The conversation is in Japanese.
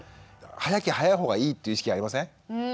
早きゃ早い方がいいっていう意識ありません？